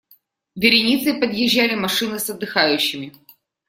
Вереницей подъезжали машины с отдыхающими.